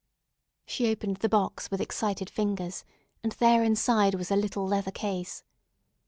She opened the box with excited fingers, and there inside was a little leather case.